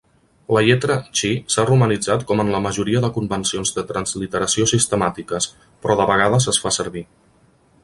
La lletra Chi s'ha romanitzat com en la majoria de convencions de transliteració sistemàtiques, però de vegades es fa servir.